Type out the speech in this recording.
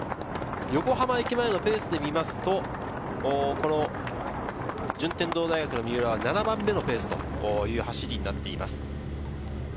横浜駅前のペースでみると順天堂大の三浦は７番目のペースという走りになっています。